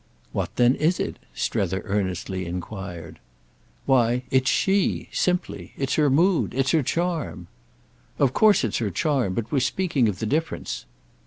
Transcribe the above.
"What then is it?" Strether earnestly enquired. "Why, it's she—simply. It's her mood. It's her charm." "Of course it's her charm, but we're speaking of the difference."